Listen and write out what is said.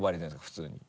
普通に。